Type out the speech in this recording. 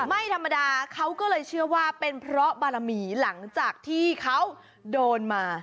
ไม่ธรรมดาเขาก็เลยเชื่อว่าเป็นเพราะบารมีหลังจากที่เขาโดนมา